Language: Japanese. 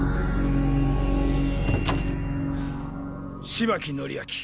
芝木倫明。